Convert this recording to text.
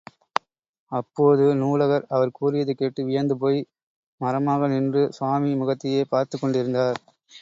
அப்போது, நூலகர் அவர் கூறியது கேட்டு வியந்து போய் மரமாக நின்று, சுவாமி முகத்தையே பார்த்துக் கொண்டிருந்தார்.